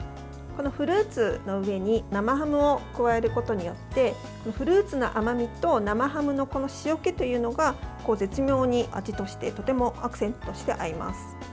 フルーツの上に生ハムを加えることによってフルーツの甘みと生ハムの塩気というのが絶妙に味としてとてもアクセントとして合います。